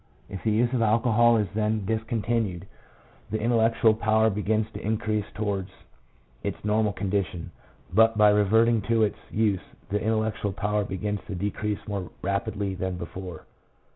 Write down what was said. If the use of alcohol is then discontinued the intellectual power begins to increase towards its normal condition, but by reverting to its use the intellectual power begins to decrease more rapidly than before.